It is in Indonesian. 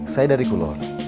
saya dari kulor